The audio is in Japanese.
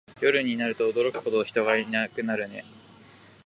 夜になると驚くほど人いなくなるね